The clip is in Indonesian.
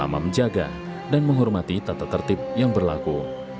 sama menjaga dan menghormati tata tertib yang berlaku